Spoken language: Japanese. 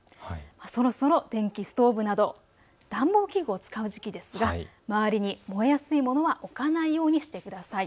そろそろ電気ストーブなど暖房器具を使う時期ですが周りに燃えやすいものは置かないようにしてください。